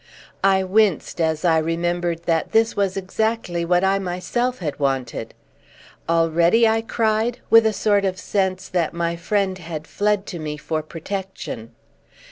I winced as I remembered that this was exactly what I myself had wanted. "Already?" I cried with a sort of sense that my friend had fled to me for protection.